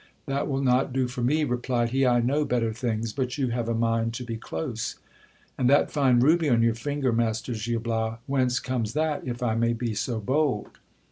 That will not do for me, replied he, I know better things ; but you have a mind to be close. And that fine ruby on your finger, master Gil Bias, whence comes that, if I may be so bold